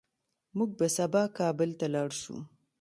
موږ به سبا کابل ته لاړ شو